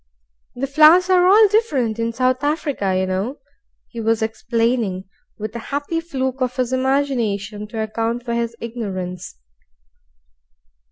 "The flowers are all different in South Africa, y'know," he was explaining with a happy fluke of his imagination to account for his ignorance.